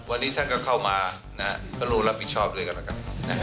วันนี้ท่านก็เข้ามาก็รู้รับผิดชอบด้วยกันนะครับ